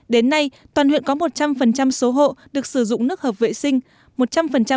đến nay toàn huyện có một trăm linh số hộ được sử dụng nước hợp vệ sinh